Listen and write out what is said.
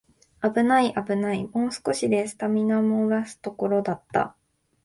あぶないあぶない、もう少しでスタミナもらすところだった